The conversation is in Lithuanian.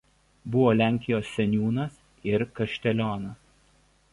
Buvo Lenkijos seniūnas ir kaštelionas.